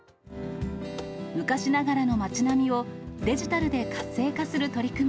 昔ながらの街並みを、デジタルで活性化する取り組み。